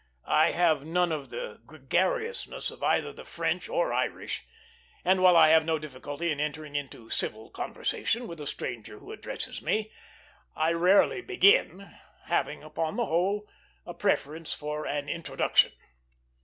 I have none of the gregariousness of either the French or Irish; and while I have no difficulty in entering into civil conversation with a stranger who addresses me, I rarely begin, having, upon the whole, a preference for an introduction.